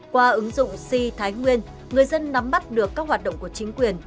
qua ứng dụng si thái nguyên người dân nắm bắt được các hoạt động của chính quyền